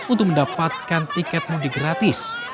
untuk mendapatkan tiket mudik gratis